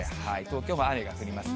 東京も雨が降ります。